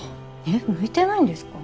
えっ向いてないんですか？